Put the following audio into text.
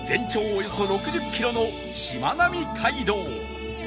およそ６０キロのしまなみ海道